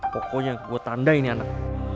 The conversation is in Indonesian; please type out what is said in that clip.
pokoknya gue tanda ini anak